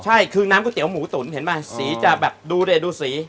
ใช่คือน้ำก๋วเตี๋หมูตุ๋นเห็นป่ะสีจะแบบดูดิดูสี